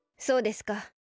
そうですか。